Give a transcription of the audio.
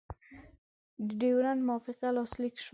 د ډیورنډ موافقه لاسلیک شوه.